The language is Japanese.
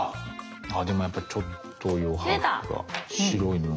あでもやっぱりちょっと余白が白いの残ってます。